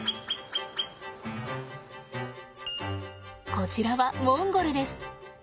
こちらはモンゴルです。